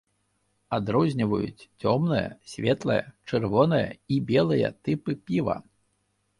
Адрозніваюць цёмнае, светлае, чырвонае і белыя тыпы піва.